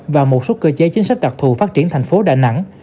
và một số cơ chế chính sách đặc thù phát triển thành phố đà nẵng